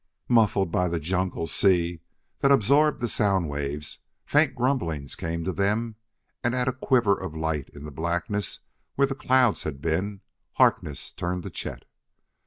Muffled by the jungle sea that absorbed the sound waves, faint grumblings came to them, and at a quiver of light in the blackness where the clouds had been, Harkness turned to Chet.